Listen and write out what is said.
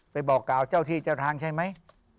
บอกกล่าวเจ้าที่เจ้าทางใช่ไหม